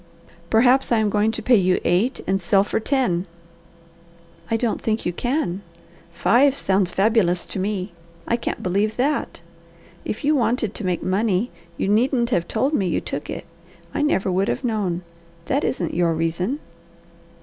"Perhaps I am going to pay you eight and sell for ten." "I don't think you can. Five sounds fabulous to me. I can't believe that. If you wanted to make money you needn't have told me you took it. I never would have known. That isn't your reason!"